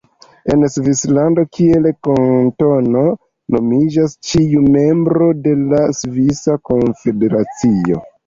En Svislando kiel kantono nomiĝas ĉiu membro de la Svisa Konfederacio.